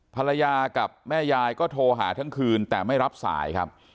ภรรยากับแม่ยายก็โทรหาทั้งคืนแต่ไม่รับสายครับ